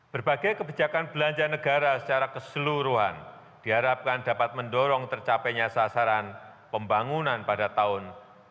berbagai kebijakan belanja negara secara keseluruhan diharapkan dapat mendorong tercapainya sasaran pembangunan pada tahun dua ribu dua puluh